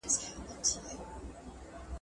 دا به ولاړ وي د زمان به توپانونه راځي